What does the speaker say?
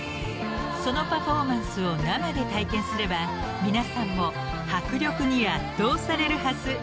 ［そのパフォーマンスを生で体験すれば皆さんも迫力に圧倒されるはず］